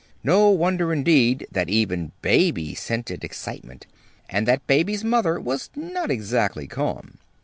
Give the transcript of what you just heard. No wonder, indeed, that even Baby scented excitement, and that Baby's mother was not exactly calm.